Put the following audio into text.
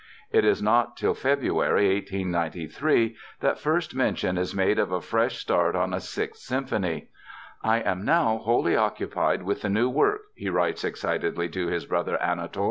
It is not till February, 1893, that first mention is made of a fresh start on a sixth symphony. "I am now wholly occupied with the new work," he writes excitedly to his brother Anatol.